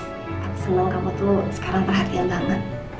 aku seneng kamu tuh sekarang terhati hati banget